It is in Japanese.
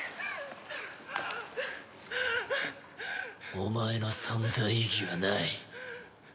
お前の存在意義はない。